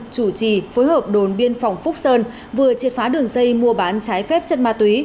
chủ trì phối hợp đồn biên phòng phúc sơn vừa triệt phá đường dây mua bán trái phép chất ma túy